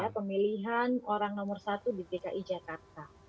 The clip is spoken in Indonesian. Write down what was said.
pemilihan orang nomor satu di dki jakarta